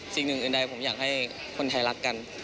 สิ่งหนึ่งผมอยากให้คนไทยรักกัน